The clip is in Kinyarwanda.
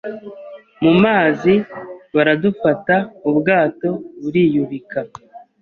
mu mazi baradufata ubwato buriyubika